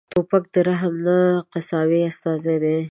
توپک د رحم نه، د قساوت استازی دی.